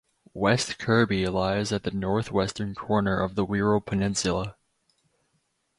West Kirby lies at the north-western corner of the Wirral Peninsula.